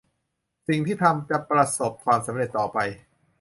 สิ่งที่ทำจะประสบความสำเร็จต่อไป